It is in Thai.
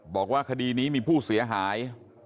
บอกว่าคดีนี้มีผู้เสียหาย